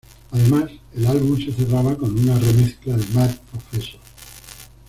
Además, el álbum se cerraba con una remezcla de Mad Professor.